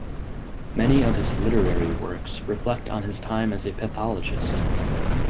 Many of his literary works reflect on his time as a pathologist.